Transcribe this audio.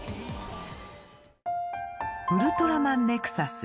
「ウルトラマンネクサス」。